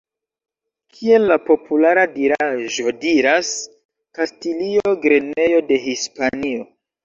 Kiel la populara diraĵo diras: "Kastilio, grenejo de Hispanio".